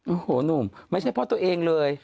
โอ้โหหนุ่มไม่ใช่เพราะตัวเองเลย